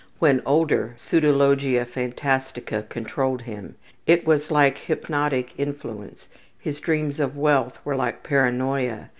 When older, pseudologia phantastica controlled him; it was like hypnotic influence, his dreams of wealth were like paranoia.